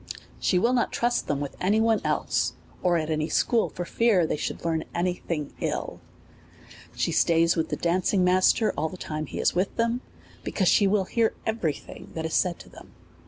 She will not trust them with any one else, or at any school, for fear they should learn any thing ill. She stays with the danc ing master all the time he is with them, because she will hear every thing that is said to them.